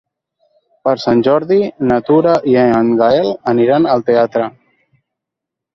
Per Sant Jordi na Tura i en Gaël aniran al teatre.